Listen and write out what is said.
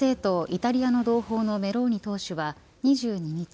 イタリアの同胞のメロー二党首は２２日